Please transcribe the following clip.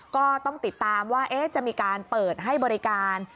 ก็ต้องติดตามว่าจะมีการเปิดให้บริการ